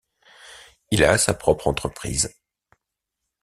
Il a sa propre entreprise.